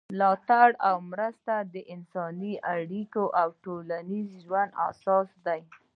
ملاتړ او مرسته د انساني اړیکو او ټولنیز ژوند اساس دی.